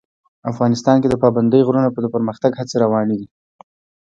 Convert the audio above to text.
افغانستان کې د پابندی غرونه د پرمختګ هڅې روانې دي.